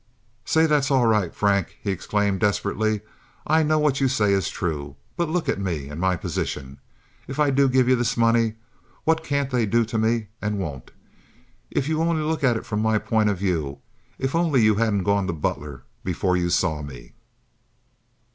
"Say that's all right, Frank," he exclaimed desperately. "I know what you say is true. But look at me and my position, if I do give you this money. What can't they do to me, and won't. If you only look at it from my point of view. If only you hadn't gone to Butler before you saw me."